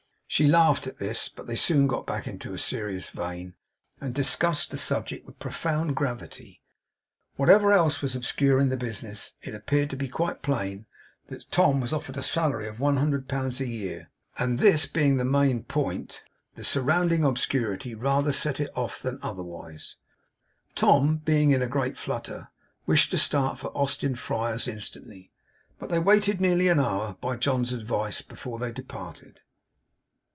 She laughed at this, but they soon got back into a serious vein, and discussed the subject with profound gravity. Whatever else was obscure in the business, it appeared to be quite plain that Tom was offered a salary of one hundred pounds a year; and this being the main point, the surrounding obscurity rather set it off than otherwise. Tom, being in a great flutter, wished to start for Austin Friars instantly, but they waited nearly an hour, by John's advice, before they departed.